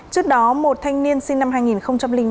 trước đó một thanh niên sinh năm hai nghìn bốn